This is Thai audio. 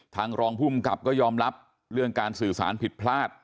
รองภูมิกับก็ยอมรับเรื่องการสื่อสารผิดพลาด